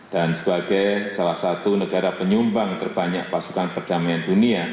dan sebagai salah satu negara penyumbang terbanyak pasukan perdamaian dunia